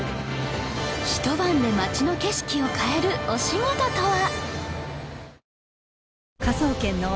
ひと晩で街の景色を変えるお仕事とは？